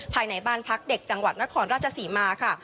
ภายในบ้านพักเด็กจังหวัดนครราชศรีมาค่ะ